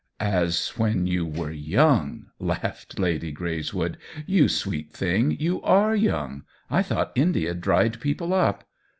"As when you were young!" laughed Lady Greyswood. " You sweet thing, you are young. I thought India dried people up.